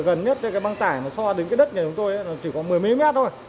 gần nhất băng tải so với đất nhà chúng tôi chỉ khoảng một mươi m thôi